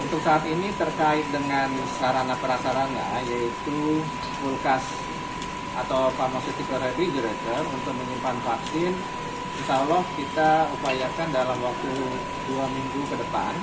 untuk saat ini terkait dengan sarana perasarana yaitu kulkas atau pharmaceutical reguretor untuk menyimpan vaksin insya allah kita upayakan dalam waktu dua minggu ke depan